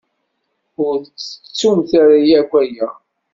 Ur ttettumt ara akk aya.